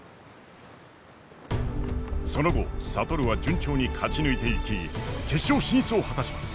その後智は順調に勝ち抜いていき決勝進出を果たします。